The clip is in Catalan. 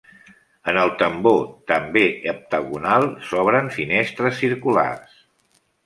En el tambor, també heptagonal, s'obren finestres circulars.